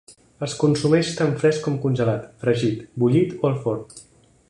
Es consumeix tant fresc com congelat, fregit, bullit o al forn.